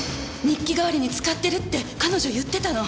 日記代わりに使ってるって彼女言ってたの。